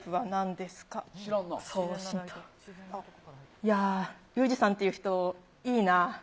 いやー、ゆうじさんっていう人、いいな。